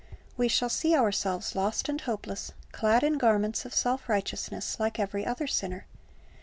We shall see ourselves lost and hopeless, clad in garments of self righteousness, like every other sinner.